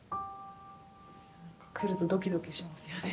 来るとドキドキしますよね。